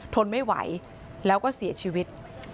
ทนไม่ไหวแล้วก็เสียชีวิต